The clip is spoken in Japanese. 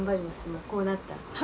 もうこうなったら。